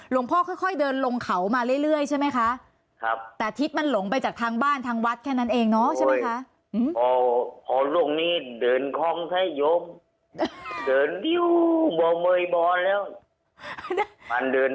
หลวงพ่อค่อยเดินลงเขามาเรื่อยใช่ไหมคะแต่ทิศมันหลงไปจากทางบ้านทางวัดแค่นั้นเองเนาะใช่ไหมคะ